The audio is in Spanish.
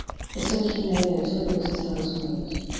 Es originario del sur de los Estados Unidos.